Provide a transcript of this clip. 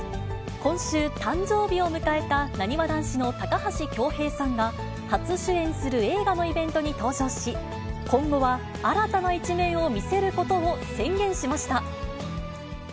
今週、誕生日を迎えた、なにわ男子の高橋恭平さんが、初主演する映画のイベントに登場し、今後は新たな一面を見せることを宣言しました。